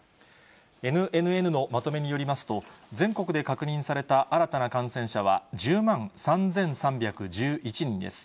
ＮＮＮのまとめによりますと、全国で確認された新たな感染者は、１０万３３１１人です。